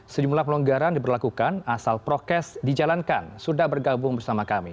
sejumlah pelonggaran diberlakukan asal prokes dijalankan sudah bergabung bersama kami